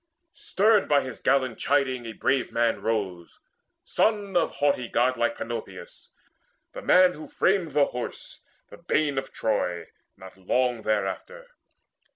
Stirred by his gallant chiding, a brave man Rose, son of haughty godlike Panopeus, The man who framed the Horse, the bane of Troy, Not long thereafter.